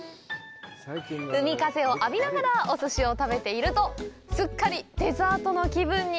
海風を浴びながらおすしを食べているとすっかりデザートの気分に。